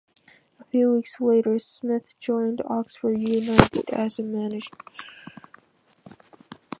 A few weeks later, Smith joined Oxford United as manager.